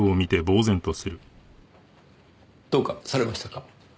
どうかされましたか？